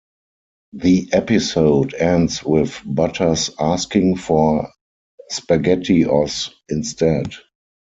The episode ends with Butters asking for SpaghettiOs instead.